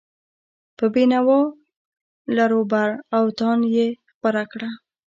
په بینوا، لراوبر او تاند کې خپره کړه.